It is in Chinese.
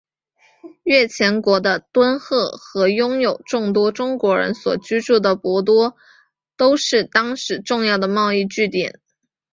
越前国的敦贺和拥有众多中国人所居住的博多都是当时重要的贸易据点。